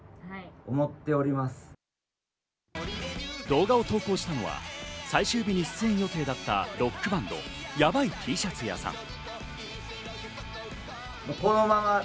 動画を投稿したのは、最終日に出演予定だったロックバンド、ヤバイＴシャツ屋さん。